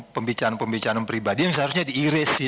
pembicaraan pembicaraan pribadi yang seharusnya diiris